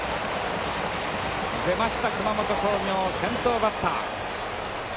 出ました熊本工業先頭バッター。